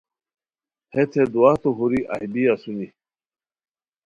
ہیت ہے دواہتو ہوری اہی بی اسونی